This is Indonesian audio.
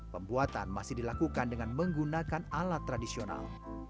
pembuatan masih dilakukan dengan menggunakan alat tradisional